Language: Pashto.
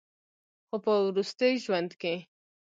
خو پۀ وروستي ژوند کښې